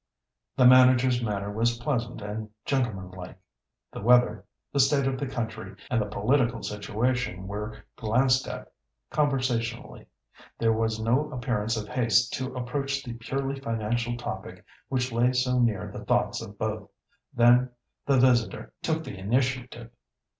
The manager's manner was pleasant and gentlemanlike. The weather, the state of the country, and the political situation were glanced at conversationally. There was no appearance of haste to approach the purely financial topic which lay so near the thoughts of both. Then the visitor took the initiative.